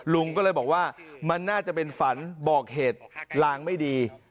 ลุงก็เลยบอกว่ามันน่าจะเป็นฝันบอกเหตุลางไม่ดี